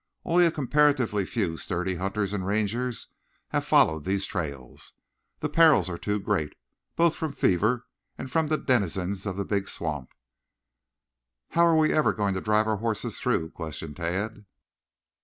Only a comparatively few sturdy hunters and rangers have followed these trails. The perils are too great, both from fever and from the denizens of the big swamp. "How are we ever going to drive our horses through?" questioned Tad.